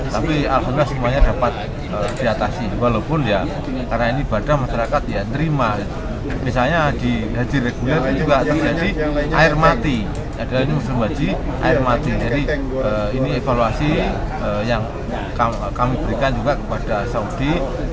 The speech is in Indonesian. terima misalnya di haji reguler air mati air mati ini evaluasi yang kami berikan juga kepada saudi